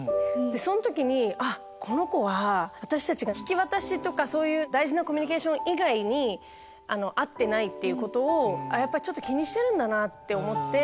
その時にこの子は私たちが引き渡しとか大事なコミュニケーション以外に会ってないことをちょっと気にしてるんだなって思って。